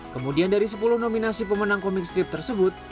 kemudian dari sepuluh nominasi pemenang komik strip tersebut